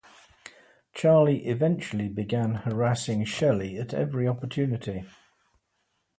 Charlie eventually began harassing Shelley at every opportunity.